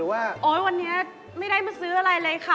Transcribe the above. วันเนี้ยไม่ได้มาซื้ออะไรเลยค่ะ